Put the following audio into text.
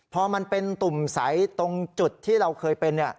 พอมันเป็นตุ่มใสตรงจุดที่เราเคยเป็น